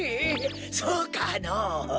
そうかのぉ？